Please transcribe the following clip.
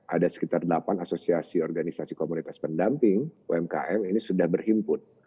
ada sekitar delapan asosiasi organisasi komunitas pendamping umkm ini sudah berhimpun